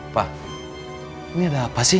pak ini ada apa sih